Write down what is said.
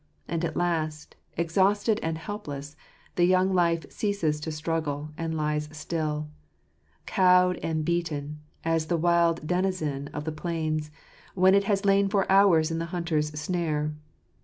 And at last, ex hausted and helpless, the young life ceases to struggle, and lies still, cowed and beaten, as the wild denizen of the plains, when it has lain for hours in the hunter's snare.